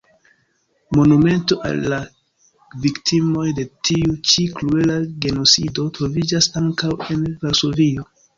Monumento al la viktimoj de tiu ĉi kruela genocido troviĝas ankaŭ en Varsovio.